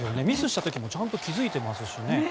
ミスした時もちゃんと気付いてますしね。